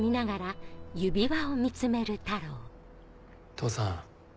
父さん。